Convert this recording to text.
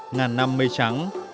ngàn năm mây trắng